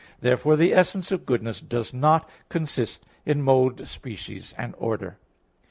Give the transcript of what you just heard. Therefore the essence of goodness does not consist in mode, species and order.